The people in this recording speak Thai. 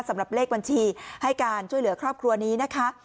สำหรับเลขบัญชีให้การช่วยเหลือครอบครัวนี้นะคะ